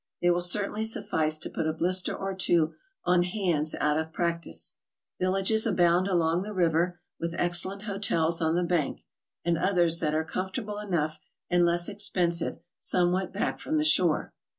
They will certainly suffice to put a blister or two on hands out of practice. Villages abound along the river, with excellent hotels on the bank, and others that are comfortable enough and less expensive somewhat back from the shore.